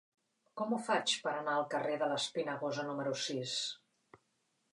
Com ho faig per anar al carrer de l'Espinagosa número sis?